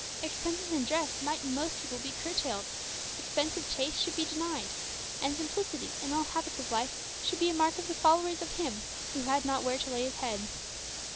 Expenses in dress might in most people be curtailed; expensive tastes should be denied; and simplicity in all habits of life should be a mark of the followers of Him who had not where to lay His head.'